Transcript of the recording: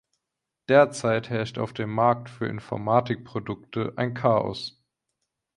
Derzeit herrscht auf dem Markt für Informatikprodukte ein Chaos.